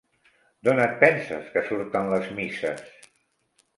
D'on et penses que surten les misses?